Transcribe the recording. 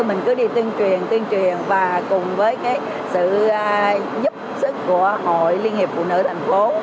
mình cứ đi tuyên truyền tuyên truyền và cùng với cái sự giúp sức của hội liên hiệp phụ nữ thành phố